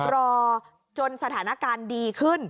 รอจนสถานการณ์ดีขึ้น